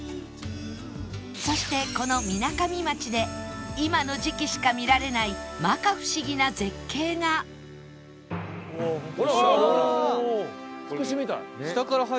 そしてこの水上町で今の時期しか見られない摩訶不思議な絶景がおおー！